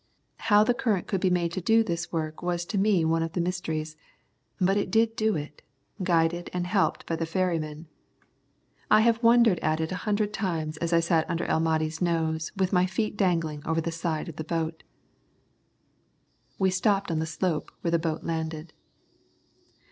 How the current could be made to do this work was to me one of the mysteries, but it did do it, guided and helped by the ferrymen. I have wondered at it a hundred times as I sat under El Mahdi's nose with my feet dangling over the side of the boat. We stopped on the slope where the boat landed.